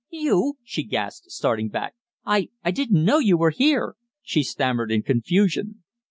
"You!" she gasped, starting back. "I I didn't know you were here!" she stammered in confusion.